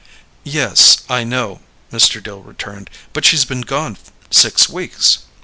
"Yes, I know," Mr. Dill returned. "But she's been gone six weeks."